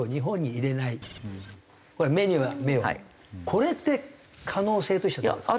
これって可能性としてはどうですか？